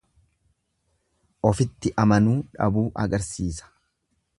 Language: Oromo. Ofitti amanuu dhabuu agarsiisa.